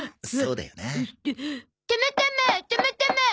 そうだよな。